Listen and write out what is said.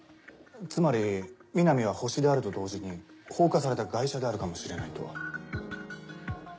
つまり南はホシであると同時に放火されたガイシャであるかもしれないと。